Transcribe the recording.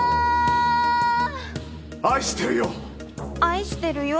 愛してるよ。